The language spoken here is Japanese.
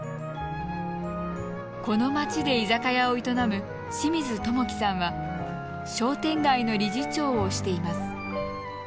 この町で居酒屋を営む清水智紀さんは商店街の理事長をしています。